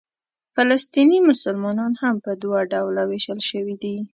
فلسطیني مسلمانان هم په دوه ډوله وېشل شوي دي.